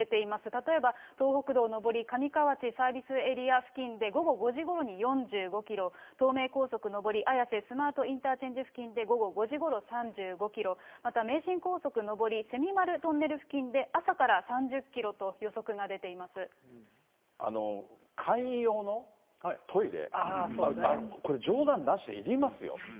例えば東北道上り上河内サービスエリア付近で午後５時ごろに４５キロ、東名高速上り綾瀬スマートインター付近で午後５時ごろ３５キロ、また名神高速上り蝉丸トンネル付近で朝から３０キロと予測が出て簡易用のトイレ、これ、冗談なしでいりますよ。